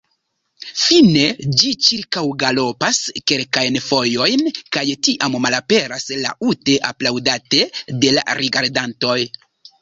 Fine ĝi ĉirkaŭgalopas kelkajn fojojn kaj tiam malaperas, laŭte aplaŭdate de la rigardantoj.